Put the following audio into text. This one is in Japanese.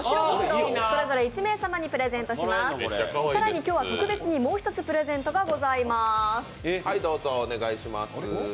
更に今日は特別にもう１つプレゼントがございます。